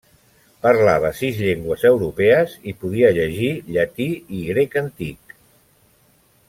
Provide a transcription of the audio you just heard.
Parlava sis llengües europees i podia llegir llatí i grec antic.